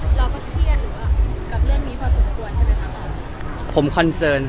เราก็เครียดกับเรื่องนี้พอสมควรใช่ไหมครับ